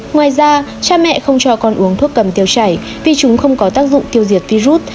ngoài ra cha mẹ không cho con uống thuốc cầm tiêu chảy vì chúng không có tác dụng tiêu diệt virus